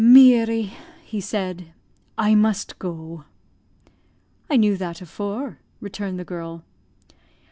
"Meary," he said, "I must go." "I knew that afore," returned the girl.